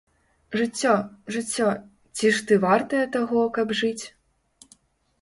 Жыццё, жыццё, ці ж ты вартае таго, каб жыць?